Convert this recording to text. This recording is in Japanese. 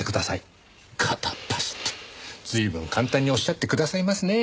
随分簡単におっしゃってくださいますね。